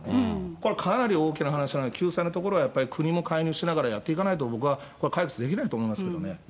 これはかなり大きな話なので、救済のところはやっぱり国も介入しながらやっていかないと、僕はこれは解決できないと思いますけどね。